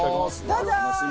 どうぞ！